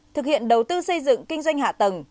thực hiện đầu tư xây dựng kinh doanh hạ tầng